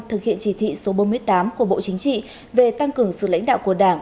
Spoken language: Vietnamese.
thực hiện chỉ thị số bốn mươi tám của bộ chính trị về tăng cường sự lãnh đạo của đảng